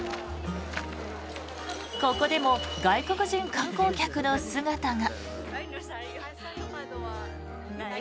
ここでも、外国人観光客の姿が。